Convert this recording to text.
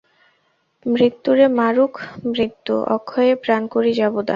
মৃত্যুরে মারুক মৃত্যু, অক্ষয় এ প্রাণ করি যাব দান।